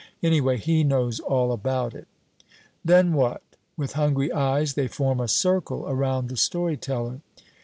Anyway, he knows all about it." "Then what?" With hungry eyes they form a circle around the story teller.